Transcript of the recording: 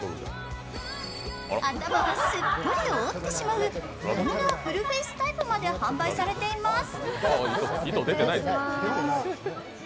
頭をすっぽり覆ってしまう、こんなフルフェイスタイプまで販売されています。